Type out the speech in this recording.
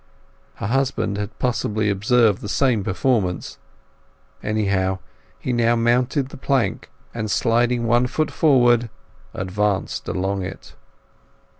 Her husband had possibly observed the same performance; anyhow, he now mounted the plank, and, sliding one foot forward, advanced along it.